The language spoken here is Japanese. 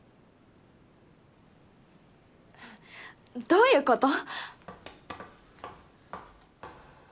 どういうこと？